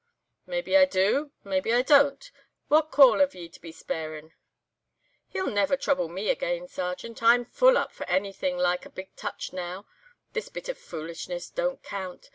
"'Maybe I do, maybe I don't; what call have ye to be speirin'?' "'He'll never trouble me again, Sergeant, I'm full up of anything like a big touch now; this bit of foolishness don't count.